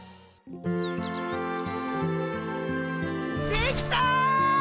できた！